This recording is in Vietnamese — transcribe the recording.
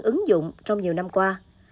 ứng dụng trong nhiều năm qua